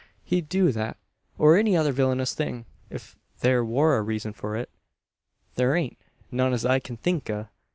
He'd do that, or any other villinous thing, ef there war a reezun for it. There ain't none as I kin think o'.